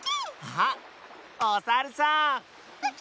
あっおさるさん！